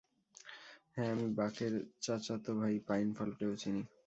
হ্যাঁ, আমি বাকের চাচাতো ভাই পাইন ফলকেও চিনি।